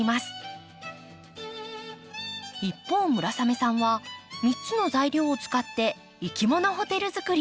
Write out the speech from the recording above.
一方村雨さんは３つの材料を使っていきものホテル作り。